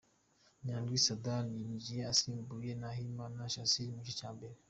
Nyandwi Saddam yinjiye asimbuye Nahimana Shassir mu gice cya mbere